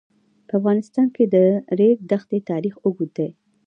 په افغانستان کې د د ریګ دښتې تاریخ اوږد دی.